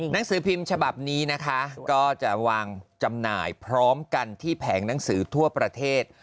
หนังสือพิมพ์ฉบับนี้นะคะก็จะวางจำหน่ายพร้อมกันที่แผงหนังสือทั่วประเทศ